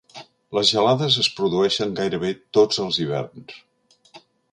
Les gelades es produeixen gairebé tots els hiverns.